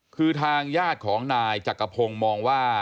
คือทางญาติของนายจักรพงศ์มองว่า